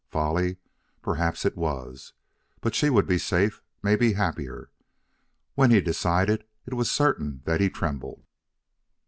Folly! Perhaps it was, but she would be safe, maybe happier. When he decided, it was certain that he trembled.